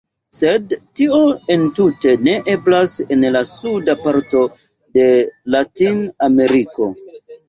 Sed tio entute ne eblas en la suda parto de Latin-Ameriko.